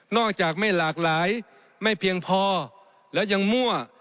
จากไม่หลากหลายไม่เพียงพอแล้วยังมั่ว